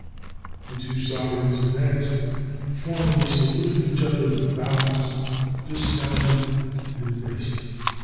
The two sovereigns advanced, formally saluted each other with bows, dismounted and embraced.